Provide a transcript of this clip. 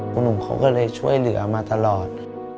คุณหนุ่มเขาก็เลยช่วยเหลือมาตลอด